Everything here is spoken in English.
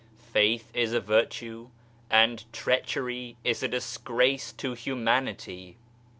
Faith is a virtue, and treachery is a disgrace to humanity.